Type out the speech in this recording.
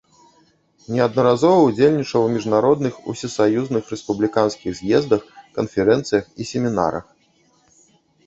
Неаднаразова ўдзельнічаў у міжнародных, усесаюзных, рэспубліканскіх з'ездах, канферэнцыях і семінарах.